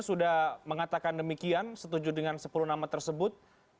sudah mengatakan demikian setuju dengan sepuluh nama tersebut